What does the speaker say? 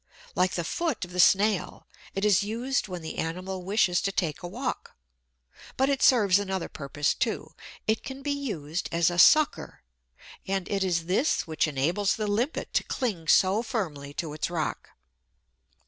Like the foot of the Snail, it is used when the animal wishes to take a walk; but it serves another purpose too. It can be used as a sucker; and it is this which enables the Limpet to cling so firmly to its rock.